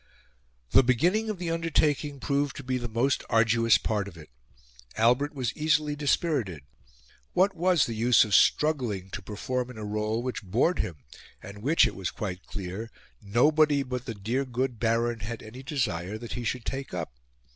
The beginning of the undertaking proved to be the most arduous part of it. Albert was easily dispirited: what was the use of struggling to perform in a role which bored him and which, it was quite clear, nobody but the dear good Baron had any desire that he should take up?